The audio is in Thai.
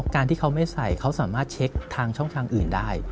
การที่เขาไม่ใส่เขาสามารถเช็คทางช่องทางอื่นได้